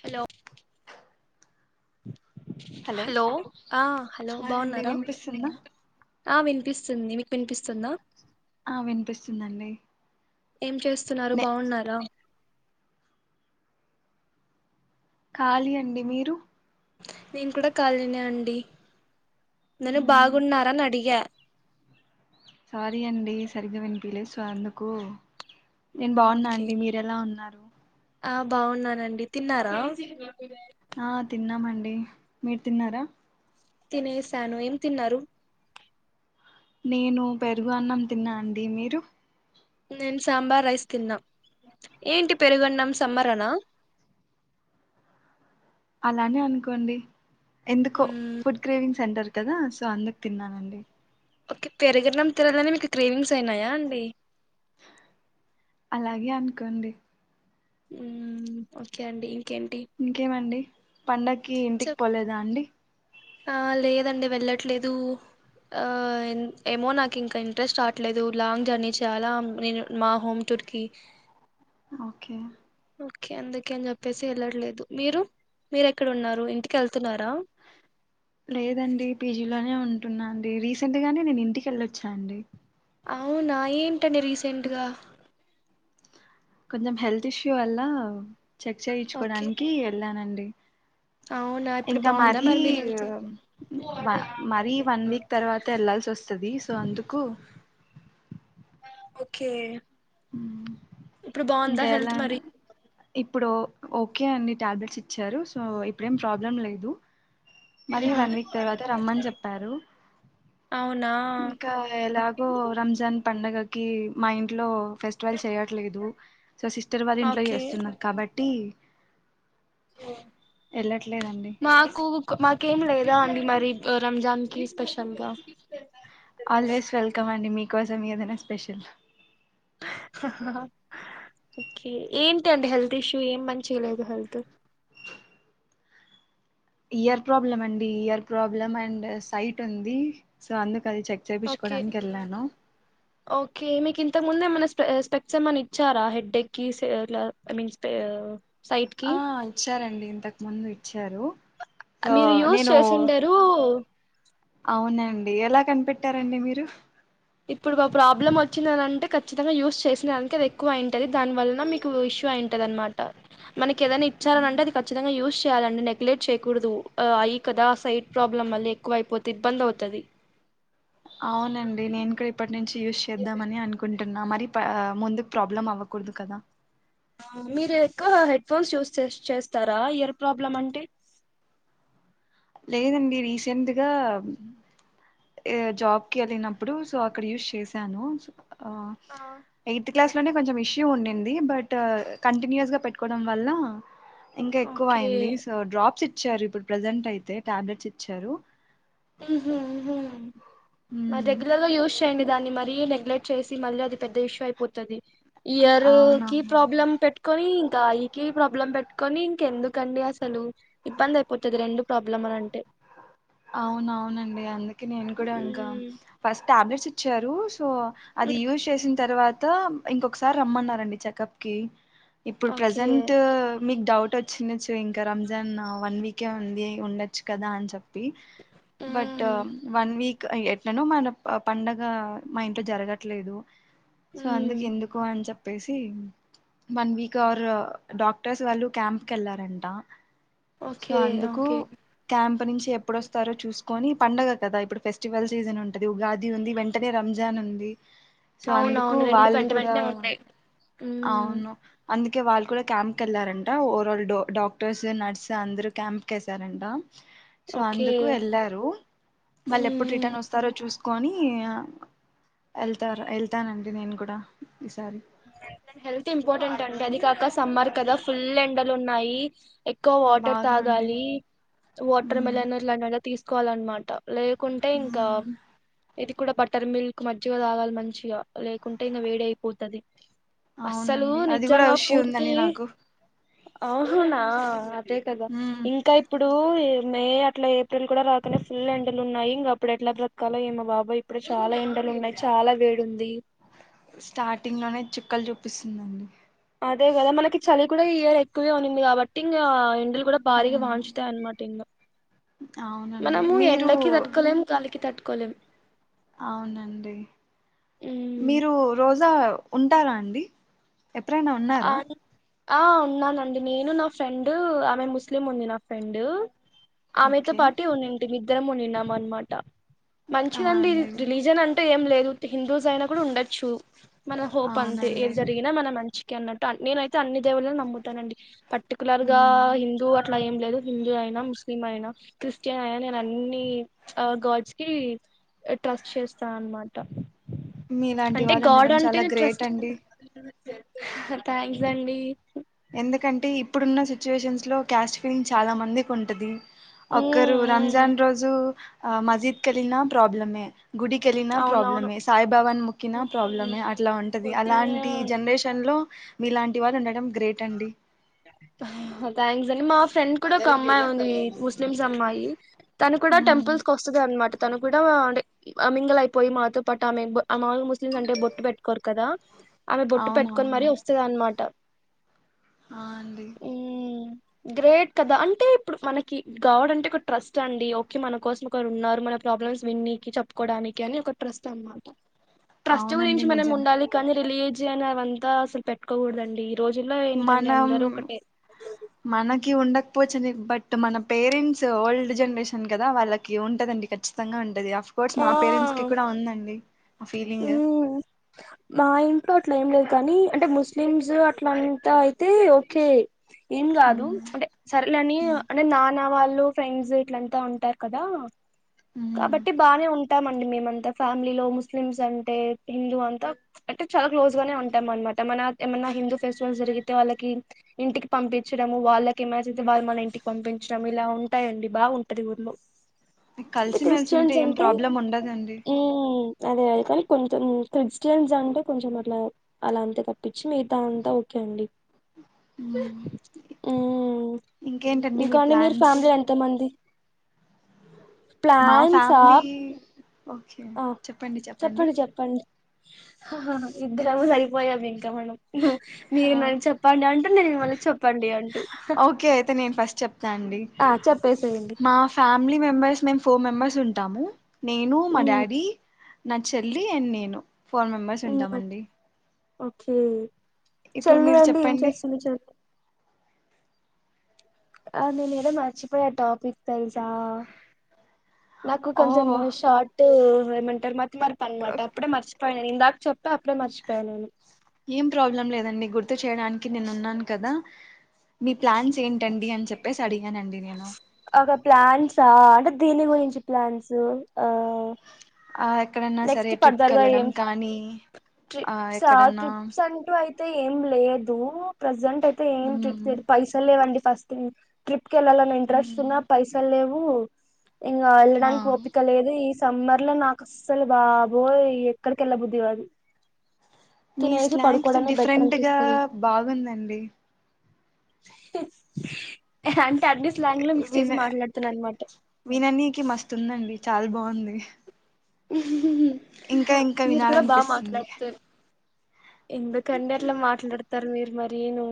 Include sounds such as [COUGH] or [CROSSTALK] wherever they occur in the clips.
Hello hello ఆ hello hi అండి బాగున్నారా వినిపిస్తుందా [INAUDIBLE] ఆహ్ విన్ నిపిస్తుంది మీకు వినిపిస్తుందా. ఆ వినిపిస్తుందండి. ఏం చేస్తున్నారు నే బాగున్నారా. ఖాళీ అండి మీరు నేను కూడా ఖాళీనే అండి నెను మ్మ్ బాగున్నార అని అడిగా సారీ అండి సరిగ్గా వినిపిలే సో అందుకు నేను బాగున్నా ఓకే అండి మీరెలా ఉన్నారు. ఆ బాగున్నానండి తిన్నారా ఆ తిన్నామండి మీరు తిన్నారా తినేశాను ఏం తిన్నారు నేను పెరుగు అన్నం తిన్నా అండి మీరు నేను సాంబార్ రైస్ తిన్నా ఏంటి పెరుగన్నం సమ్మర్ అన అలానే అనుకోండి. ఎందుకో ఫుడ్ క్రేవింగ్ సెంటర్ కదా సో అందుకు తిన్నానండి. ఓకే పెరుగన్నం తినగానే, మీకు క్రేవింగ్స్ అయినాయా అండి. అలాగే అనుకోండి. ఉమ్ ఓకే అండి. ఇంకేంటి ఇంకేమండి పండక్కి సో ఇంటికి పోలేదా అండి. ఆ లేదండి. వెళ్ళట్లేదు. ఆ ఏమో నాకు ఇంకా ఇంట్రెస్ట్ రావట్లేదు. లాంగ్ జర్నీ చేయాలా, నేను మా హోమ్ టూర్ కి. ఓకే ఓకే అందుకే అని చెప్పేసి వెళ్లట్లేదు. మీరు మీరెక్కడ ఉన్నారు. ఇంటికి వెళ్తున్నారా. లేదండి పీజీలోనే ఉంటున్నా అండి. రీసెంట్ గానే నేను ఇంటికెళ్ళొచ్చాను అండి. అవున ఏం డి రీసెంట్ గా కొంచెం హెల్త్ ఇష్యూ వల్ల చెక్ ఓకే చేయించుకోవడానికి ఎళ్ళానండి. అవునా డి ఇప్పుడు ఇంకా బాగుందా మరీ మరి మీ హెల్త్ మరీ వన్ వీక్ తర్వాత వెళ్లాల్సి ఓస్ స్తది సో అందుకు ఓకే ఇప్పుడు బాంద ఇంకా హెల్త్ ఎలా మరి ఇప్పుడు ఓకే అండి టాబ్లెట్స్ ఇచ్చారు. సో ఇప్పుడేం ప్రాబ్లం లేదు. మరి మ్హూ. వన్ వీక్ తర్వాత రమ్మని చెప్పారు. అవునా ఇంకా ఎలాగో రంజాన్ పండగ కి మా ఇంట్లో ఫెస్టివల్ చేయట్లేదు. సో సిస్టర్ వాళ్ళ ఇంట్లో ఓకే చేస్తున్న కాబట్టి టి ఓ మాకు మాకేం లేదా అండి మరి రంజాన్ కి స్పె ఆల్వేస్ వెల్కమ్ అండి మీ మీకోసం ఏదీన స్పెషల్ హ హా హా ఓకే ఏంటి అండి హెల్త్ ఇష్యూ ఏం మంచిగా లేదు హెల్త్ ఇయర్ ప్రాబ్లం అండి ఇయర్ ప్రాబ్లం అండ్ సైట్ ఉంది సో అందుకు అది చెక్ ఓకే చేపిచుకోవడానికి వెళ్ళాను ఓకే మీకు ఇంతకు ముందు ఏమన్నా స్పె స్పెడ్సేమ్మన ఇచ్చారా హెడ్డెక్కి సే ఇట్లా ఐ మీన్ స్పె సైట్కి తారండి ఇంతకు ముందు ఇచ్చి మీరు యూస్ చేసిండరు అవునండి ఎలా కనిపెట్టారండి మీరు ఇప్పుడు మా ప్రాబ్లమ్ వచ్చిందనింటే ఖచ్చితంగా యూజ్ చేసిన దానికి అది ఎక్కువ అయింటది దాని వలన మీకు ఇష్యూ అయింటది అనమాట మనకి ఏదనా ఇచ్చారని అంట అదిఖచ్చితంగా యూస్ చేయాలండి నెగ్లెక్ట్ చేయకూడదు ఐ కదా సైట్ ప్రాబ్లం మళ్ళీ ఎక్కువ అయిపోతే ఇబ్బంది అవుతది అవునండి నేను కూడ నుంచి యూస్ ఎ చేద్దామని అనుకుం టున మరి పా మరి ముందు ప్రాబ్లం అవకూడదు కదా మీరు ఎక్కువ హెడ్ ఫోన్స్ యూస్ చే చేస్తారా ఎయర్ ప్రాబ్లం అంటే లేదండి రీసెంట్గా ఏ జాబ్కి వెళ్ళినప్పుడు సో అక్కడ యూస్ చేశాను ఆ ఎయిత్ క్లాస్ లోనే కొంచెం ఇ ఉండింది బట్ కంటిన్యూస్ గా పెట్టుకోవడం వల్ల ఇంకా ఎక్కువ ఓకే అయింది సో డ్రాప్స్ ఇ ఇచ్చారు ఇప్పుడు ప్రెసెంట్ అదే టాబ్లెట్స్ ఇచ్చారు హమ్ మా ఉమ్, దగ్గరలలో యూస్ చేయండి దాన్ని మరీ నెగ్లెక్ట్ చేసి మళ్ళీ అది పెద్ద ఇష్యూ అయిపోతాది ఇయర్ కి అవునవును ప్రాబ్లం పెట్టుకొనీ ఇక ఐ కి ప్రాబ్లం పెట్టుక కొని ఇంకెందుకండి అసలు ఇబ్బంది అయిపోతాది రెండు ప్రాబ్లంలు అంటే అవును అవునండి అందుకే నేను కూడా ఇంకా ఉమ్ ఫస్ట్ టాబ్లెట్స్ ఇచ్చారు సో అది యూజ్ చేసిన తర్వాత ఇంకా ఇంకొకసారి రమ్మన్నారండి చెకప్ కి ఇప్పుడు ఓకే ప్రజెంట్ మీకు డౌట్ వచ్చిండచ్చు ఇంకా రంజాన్ వన్ వీకే ఉంది ఉండొచ్చు కదా అని చెప్ప బట్ ఉమ్ వన్ వీక్ గ ఎట్లనో మన ప పండగ మా ఇంట్లో జరగట్లేదు సో ఉమ్ అందుకు ఎందుకు అని చెప్ చెప్పేసి వన్ వీక్ అర్ డాక్టర్స్ వాళ్ళు క్యాంకెళ్లారంట సో ఓకే అందుకు ఓకే క్యాంప్ ప్ప నుంచెప్ ఇప్పుడు వస్తారో చూసుకొని పండగ కదా ఇప్పుడు ఫెస్టివల్ సీజన్ ఉంటాది ఉగాది ఉంది వెంటనే రంజాన్ ఉంది సో అందుకు అవునవును రెండు వాళ్ళు వెంట కూడా వెంటనే ఉన్నాయి ఉమ్ అవును అందుకే వాళ్ళు కూడా క్యాంకెళ్లారంట ఓవరాల్ డాక్టర్స్ నర్స్ అందరు క్యాంప్ కి ఏ ఏసారంట సో ఓకే అందుకు వెళ్లారు వాళ్ళు ఉమ్ ఎప్పుడు ఉమ్ రిటర్న్ వస్తారో చూస్ కొనీ ఆ ఎళ్తారు ఎళ్తానండి నేను కూడా ఈసారి హెల్త్ ఇంపార్టెంట్ అండి అది కాకా సమ్మర్ కదా ఫుల్ ఎండలు ఉన్నాయి ఎక్ క్కో వాటర్ బాగా అండి తాగాలి వాటర్ మ్మ్ మెలన్ ఇలాంటి వన్ని తీస్ కోవాలన్నమాట లేకుంటే ఇంకా మ్మ్ ఇది కూడా బట్టర్ మిల్క్ మజ్జిగా తాగాలి మంచిగా లేకుంటే ఇంకా వేడి అయిపోతది అస్సలు అవునండి అది కూడా విషు ఉందండి నాకు ఔ హనా అంతే కదా ఇంకా ఇప్ డు మే అట్లా ఏప్రిల్ కూడా రాకనే ఫుల్ ఎండలు ఉన్నాయి ఇంగ అప్పుడు ఎట్లా బ్రతకాలో ఏమో బాబోయ్ ఇప్పుడు చాలా ఎండలు ఉన్నాయి చాలా వేడి ఉంది స్టార్టింగ్ లోనే చక్కలు చూపిస్తుందండి అదే కదా మనకి చలి కూడా ఈ ఇయర్ ఎక్కువే ఉన్నింది కాబట్టి ఇంగ ఎండలు కూడా భారిగా ఉమ్ వాయించుతాయనమాట ఇంగ అవునండి మనము మీరు ఎండకు తట్టుకోలేం గాలికి తట్టుకో కొలేం అవునండి ఉమ్ మీరు రోజా ఉంటారా అండి ఎప్పుడైనా ఆ ఉన్నారా ఆ ఉన్నానండి నేను నా ఫ్రెండ్ ఆమె ముస్లిం ఉంది నా ఫ్రెండు ఆమెతో ఓకే పాటు ఉన్నింటి ఇద్దరం ఉన్నినామ్ వన్ మాట ఆ మంచిదండి అండి రిలీజన్ అంటే ఏం లేదు హిందూస్ అయినా కూడా ఉండొచ్చు మన హోప్ అంతే అవునండి ఏది జరిగినా మన మంచి కె అన్నట్టు నేనయితే అన్ని దేవుళ్ళని నమ్ముతానండి పర్టికులర్ గా ఉమ్ హిందూ అట్లా ఏం లేదు హిందూ అయినా ముస్ యినా క్రిస్టియన్ అయినా నేను అన్ని గాడ్స్ కి ట్రస్ట్ చేస్తాన అనమాట మీలాంటి అంటే వాళ్ళు ఉండడం చాలా గ్రేట్ అండి సే థ్యాంక్స్ అండి ఎందుకంటే ఇప్పుడున్న సిచ్యువేషన్స్ లో క్యాస్ట్ ఫీలింగ్ చాలా మందికి ఉంటుది ఉమ్, ఒక్కరు ఉమ్, రంజాన్ రోజు మజీద్ కి వెళ్ళినా ప్రాబ్లం గుడికిళ్ళినా అవునవును ప్రాబ్లమే సాయిబాబాన్ ముొక్కిన ఉమ్, ప్రాబ్లమే అట్లా ఉంటుంది అలాంటి ఉమ్. జనరేషన్లో మీలాంటి వాళ్ళ ఉండడం గ్రేట్ అండి థ్యాంక్ నేను మా ఫ్రెండ్ కూడా ఒక అమ్మాయి ఉంది ముస్లిమ్స్ అమ్మాయి తా ను కూడా ఉమ్ టెంపుల్స్ క వస్తుంది అనమాట తను కూడా అంట అమింగయ పోయి మాత పాటు ఆ మామలుగా ముస్లిస్ అంటే బొట్ పెట్కోరు కదా ఆమె బొట్టు పెట్టుకొని మరీ అవునవునండి వస్తుంది అనమాట ఆ అండి గ్రేట్ కదా అంటే ఇప్పుడు మనకి గాడ్ అంటే ఒక ట్రస్ట్ అండి ఓకే మన కోసం ఒకరు ఉన్నారు మన ప్రాబ్లమ్స్ విన్నికి చెప్పుకోవడానికి అని ఒక ట్రస్ట్ అనమాట ట్రస్ట్ గురించి అవునండి మనం నిజమే ఉండాలి కానీ రిలీ అట్లనే అంతా అసలు పెట్టుకూడదండి ఈ రోజు మనం మనకి ఉండ పోచ్ దిన్ బట్ మన పేరెంట్స్ ఓల్డ్ జనరేషన్ కదా వాళ్ళకి ఉంటదండి ఖచ్చితంగా ఉంటంది ఆఫ్ కోర్స్ ఆ మా పేరెంట్స్ కి కూడా ఉందండి ఫీలింగ ఉమ్ మా ఇంట్లో అట్లా ఏం లేదు గానీ అంటే ముస్లిమ్స్ అట్లంత అయితే ఓకే ఏం గాదు ఉమ్, అంటే సర్లేనీ ఉమ్, అంటే నాన్న వాళ్ లో ఫ్రెండ్స్ ఇట్లంతా ఉంటారు కదా ఉమ్. కాబట్టి బానే ఉం ఉట్టామండి మేమంతా ఫ్యామిలీలో ముస్లిమ్స్ అంటే హిందూ అంతా అంటే చాలా క్లోజ్ గానే ఉంటాం అన్మాట మన ఏమన్నా హిందూ ఫెస్టివల్స్ జరిగితే వాళ్ళకి ఇంటికి పంపించడము వాళ్ళకి ఇమజిత్ వాళ్ళు మళ ఇంటికి పంపించడం ఇలా ఉంటాయంండి బాగుంటది ఊర్లో కలిసిమెలిసి ఉంటే క్రిస్టియన్స్ ఏం అంటే ప్రాబ్లం ఉండదండి ఉమ్ అదే అది కానీ కొంచం ఇంప్రెస్ జెంట్స్ అంటే కొంచెం అట్లా అలా అంత తప్పించి మిగతా అంతా ఓకే అండి ఉమ్. ఉమ్ ఇంకేంటండి ఇక మీ అండి మీరు ప్లాన్స్ ఫ్యామిలీ ఎంత మంది మా ప్లాన్సా ఫ్యామిలీ ఓకే చెప్పండి చెప్పండి హా హా ఇద్దరాము సరిపోయామ్ మనం ఆ, మీమల్ని చెప్పండి అంటూ నేను మీమల్ని చెప్పండి అంటూ ఓకే అయితే నేను ఫస్ట్ చెప్తా అండి ఆ చెప్పేసేయండి మా ఫ్యామిలీ మెంబర్స్ నేన్ ఫోన్ మెంబర్స్ ఉంటాము నేను మా ఉమ్ డాడీ నా చెల్లి అన్ నేను ఫోర్ మెంబెర్స్ ఉమ్ ఉంటామండి ఓకే ఇప్పుడు చెల్లి మీరు అండి ఏం చెప్పండి చేస్తుంది చెప్ ఆ నేను ఎడో మర్చిపోయ టాపిక్ తెలుసా నాకు ఓ కొంచం షర్టు నువ్ఏమంటావ్ మర్ మరి పనమాట అడే మర్చ్ పండి ఇందాక చెప్పే అప్పుడే మర్చిపోయాను నేను ఏం ప్రాబ్లం లేదండి గుర్తు చేయడానికి నేను ఉన్నాను కదా మీ ప్లాన్స్ ఏంటండి అని చెప్పేసి అడి అగా ప్లాన్సా అంటే దీని గురించి ప్లాన్స్ ఆ ఆ ఎక్కడన్నా సరే నెక్స్ట్ ట్రిప్కి ఫర్దర్ గా ఎళ్ళడం ఏం కానీ ఆ ఎక్కడన్నా తే ఏం లేదు ప్రజెంట్ అయితే ఏం మ్మ్ ట్రిప్ పైసలు లేవండి ఫస్ట్ మీ ట్ ల ఇంట్రెస్ట్ ఉ మ్మ్, పైస లే ఓ ఇంకా ఆ వెళ్ళడానికి ఓపిక లేదు సమ్మర్ లో నాకు అసలు బాబోయ్ ఎక్కడికెళ్ళ బుద్ధివాది మీ స్లాంక్స్ డిఫరెంట్ గా అనిపిస్తది బాగుందండి అ టర్డీస్ లాంగ్ లో మిక్స్ చేసి విన మాట్లాడుతున్నా అనమాట విననీకి మస్తుందండి చాలా బాగుంది [INAUDIBLE] ఇంకా ఇంకా మీరు కూడా బాగా వినాలనిపిస్తుంది మాట్లాడుతారు ఎందుకండి అట్లా మాట్లాడతారు మీరు మరీనూ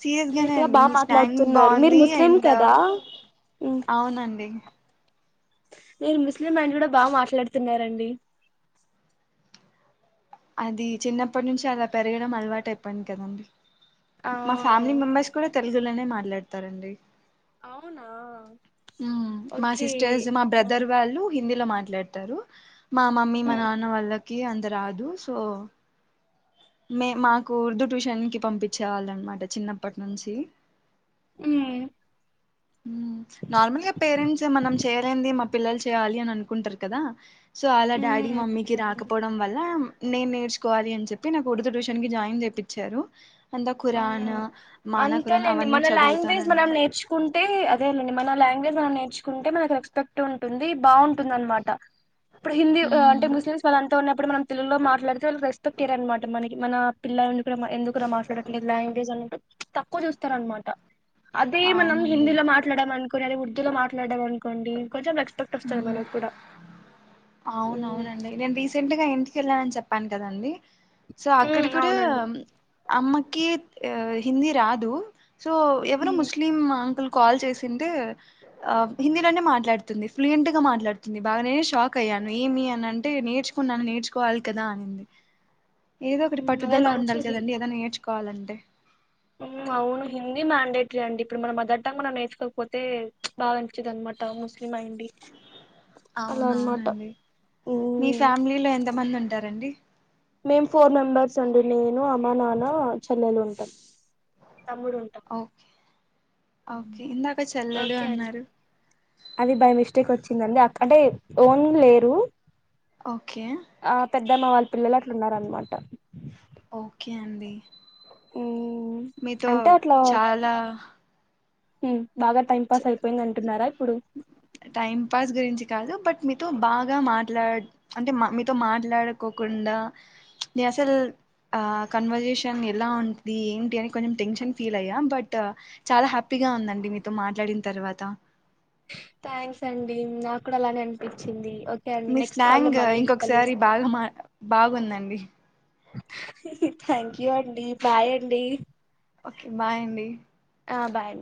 సీరియస్ గానే అండి మీ స్టాంగ్ మీరు బాగుంది ముస్లిం అండ్ కదా అవునండి నేను ముస్లిం అయిన కూడా బాగా మాట్లాడుతున్నారండి అది చిన్నప్పటి నుంచి అలా పెరగడం అలవాటు అయిప్పంది కదండి ఆ మా ఫ్యామిలీ మెంబర్స్ కూడా తెలుగులోనే మాట్లాడ తారండి అవునా మా ఓకే సిస్టర్స్ మా ఆ బ్రదర్ వాళ్ళు హిందీ లో మాట్లాడుతారు మా మమ్మీ మా ఉమ్ నాన్న వాళ్ళకి నాకి అంత రాదు సో మేము మాకు ఉర్దూ ట్యూషన్ కి పంపించే వాళ్ళ అన్నమాట చిన్నప్పటి నుంచి మ్ నార్మల్గా పేరెంట్స్ మనం చేయలేనిది మన పిల్లలు చేయాలి అని అనుకుంటారు కదా సో అలా డాడీ ఉమ్ మమ్మీకి రాకపోవడం వల్ల నేను నేర్చుకోవాలి అని చెప్పి చెప్పి నాకు ఉర్దూ ట్యూషన్ కి జాయిన్ చేపించారు అంతేలేండి అవన్నీ మన లాంగ్వేజ్ చదువుతానండి మనం నేర్చుకుంటే అదేనండి మన లాంగ్వేజ్ మనం నేర్ నుకుంటే మనకి రెస్పెక్ట్ ఉంటుంది బాగుంటుంది అనమాట ఇప్పుడు హిందీ అంటే ఉమ్ ముస్లిమ్స్ వాళ్ళు ఉప్పుడునం పిలులలో మాట్లాడితే వాళ్ళకి రెపెట్యర అనమాట మన మన పిల్లని కూడా ఎందుకు మాట్లాడ లాంగ్వేజ్ అన్నటు తక్కువ చూస్తారనమాట అదే మనం అవునండి హిందీలో మాట్లాడము అనుకోని అదే ఉర్దూ లో మాట్లాడము అనుకో కొండి కొంచెం రెస్పెక్ట్ వస్తది మనకు కూడా అవును మ్మ్ అవునండి నేను రీసెంట్ గా ఇంటికెళ్ళానని చెప్పాను కదండి సో అక్కడ కూడా అవునండి అమ్మకి హిందీ రాదు సో ఎవరు మ్మ్ ముస్లిం అంకుల్ కాల్ చేసింటే ఆ హిందీలోనే మాట్లాడుతుంది ఫ్లుయెంట్ గా మాట్లాడుతుంది బాగానేనే షాక్ అయ్యాను ఏమి అని అంటే నేర్చుకున్నాను నేర్చుకోవాలి కదా అనింది ఏదో ఒకటి అదే పట్టుదలా ఉండాలి మంచిది కదండి ఏదైనా నేర్చుకో కావాలంటే అవును హిందీ మ్యాండేటరీ అండి ఇప్పుడు మన మదర్ టంగ్లో మనం నేర్చుకోకపోతే బాగానిచ్చిది అన్నమాట ముస్లిం అయి ఉండి అవును అవునండి మీ ఉమ్ ఫ్యామిలీలో ఎంత మంది ఉంటారండి మేం ఫోర్ మెంబెర్స్ అండి నేను అమ్మ నాన్న చెల్లెలు ఉంటాము ఓకే ఓకే ఇందాక చెల్లెలు ఓకే అండి అన్నారు అది బై మిస్టేక్ వచ్చిందండి అ అంటే ఓన్ లేరు ఓకే ఆ పెద్దమ్మ వాళ్ళ పిల్లలు అ ఉన్నార అనమాట ఓకే అండి ఉమ్ మీతో చాలా హ్మ్ టైం పాస్ గురించి కాదు బట్ మీతో బాగా మాట్లా అంటే మా మీతో మాట్లాడుకోకుండా నేను అసలు ఆ కన్వర్జేషన్ ఎలా ఉంటి ఏంటి అని కొంచెం టెన్షన్ ఫీల్ అయ్యా బట్ చాలా హ్యాపీగా ఉందండి మీ తో మాట్లాడిన తర్వాత థ్యాంక్స్ అండి నా కూడా అలానే అనిపించింది ఓకే అండి మీ నెక్స్ట్ కాల్లో స్లాంగ్ మళ్ళీ ఇంకొకసారి కలుస్ బాగా మా బాగుందండి థ్యాంక్ యూ అండి బాయ్ అండి ఓకే బాయ్ అండి ఆ బాయ్